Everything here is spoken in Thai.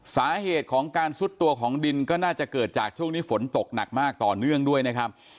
สาเหตุของการซุดตัวของดินก็น่าจะเกิดจากช่วงนี้ฝนตกหนักมากต่อเนื่องด้วยนะครับ